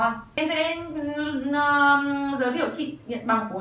em sẽ giới thiệu chị nhận bằng của hàn quốc luôn